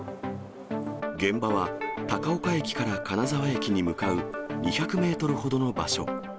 現場は高岡駅から金沢駅に向かう２００メートルほどの場所。